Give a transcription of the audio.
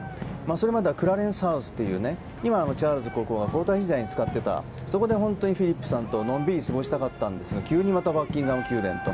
それまではクラレンス・ハウスというチャールズ国王が皇太子時代に使っていたそこで本当はフィリップさんとのんびり過ごしたかったんですが急にまたバッキンガム宮殿と。